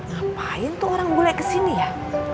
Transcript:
ngapain tuh orang bule kesini ya